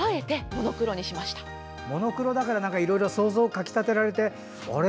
モノクロだからいろいろ想像かき立てられてあれ？